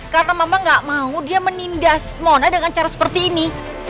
karena mama gak mau dia menindas mona dengan cara seperti ini